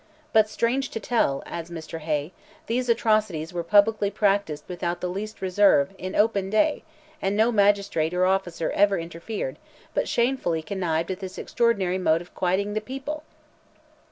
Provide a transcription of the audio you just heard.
But, strange to tell," adds Mr. Hay, "these atrocities were publicly practised without the least reserve in open day, and no magistrate or officer ever interfered, but shamefully connived at this extraordinary mode of quieting the people!